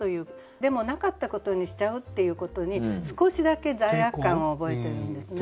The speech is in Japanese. でもなかったことにしちゃうっていうことに少しだけ罪悪感を覚えてるんですね。